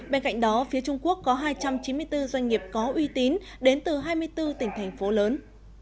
bên cạnh đó phía trung quốc có hai trăm chín mươi bốn doanh nghiệp có uy tín đến từ hai mươi bốn tỉnh thành phố lớn